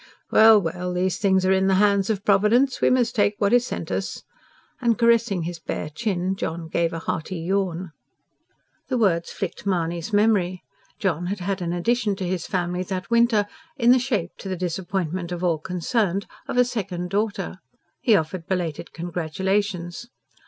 "Well, well! these things are in the hands of Providence; we must take what is sent us." And caressing his bare chin John gave a hearty yawn. The words flicked Mahony's memory: John had had an addition to his family that winter, in the shape to the disappointment of all concerned of a second daughter. He offered belated congratulations.